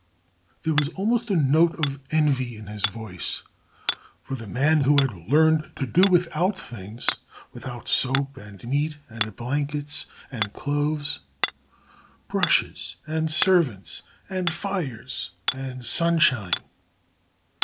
There was almost a note of envy in his voice for the man who had learned to do without things without soap, and meat, and blankets, and clothes brushes, and servants, and fires, and sunshine.